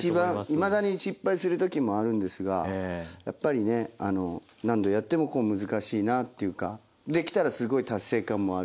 いまだに失敗する時もあるんですがやっぱりね何度やっても難しいなっていうかできたらすごい達成感もあるし